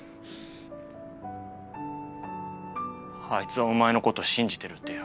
あいつはお前の事信じてるってよ。